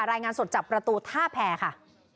รายงานสดจากประตูท่าแพรค่ะ